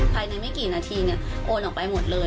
ภายในไม่กี่นาทีเนี่ยโอนออกไปหมดเลย